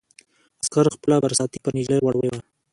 عسکر خپله برساتۍ پر نجلۍ غوړولې وه.